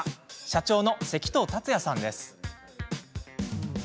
社長の関藤竜也さんです。